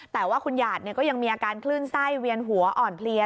แต่ว่าคุณหยาดก็ยังมีอาการคลื่นไส้เวียนหัวอ่อนเพลีย